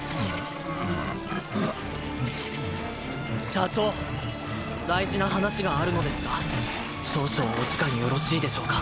社長大事な話があるのですが少々お時間よろしいでしょうか？